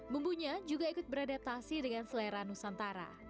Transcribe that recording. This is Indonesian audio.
bumbunya juga ikut beradaptasi dengan selera nusantara